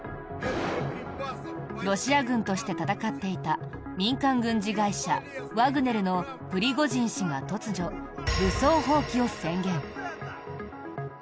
ロシア軍として戦っていた民間軍事会社ワグネルのプリゴジン氏が突如、武装蜂起を宣言。